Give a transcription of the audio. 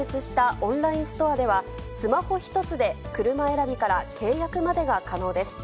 オンラインストアでは、スマホ一つで車選びから契約までが可能です。